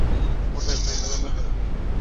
ও টের পাবে না।